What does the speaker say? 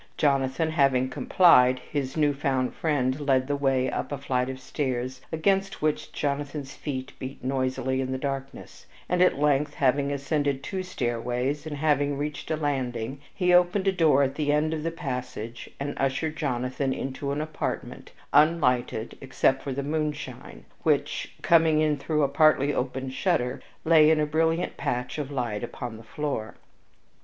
Jonathan having complied, his new found friend led the way up a flight of steps, against which Jonathan's feet beat noisily in the darkness, and at length, having ascended two stairways and having reached a landing, he opened a door at the end of the passage and ushered Jonathan into an apartment, unlighted, except for the moonshine, which, coming in through a partly open shutter, lay in a brilliant patch of light upon the floor.